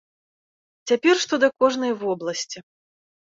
Цяпер што да кожнай вобласці.